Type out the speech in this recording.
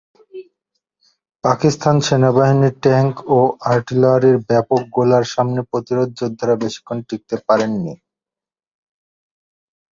পাকিস্তান সেনাবাহিনীর ট্যাংক ও আর্টিলারির ব্যাপক গোলার সামনে প্রতিরোধ যোদ্ধারা বেশিক্ষণ টিকতে পারেননি।